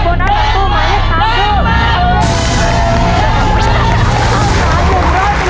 โบนัสหลังตู้หมายเลข๓คือ